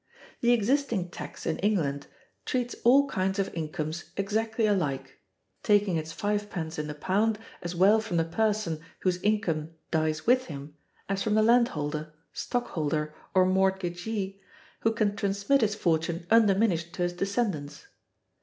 The existing tax [in England] treats all kinds of incomes exactly alike,(339) taking its [fivepence] in the pound as well from the person whose income dies with him as from the landholder, stockholder, or mortgagee, who can transmit his fortune undiminished to his descendants.